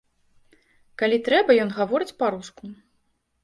Калі трэба, ён гаворыць па-руску.